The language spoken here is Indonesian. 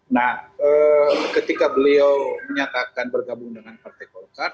nah ketika beliau menyatakan bergabung dengan partai golkar